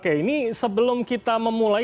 oke ini sebelum kita memulai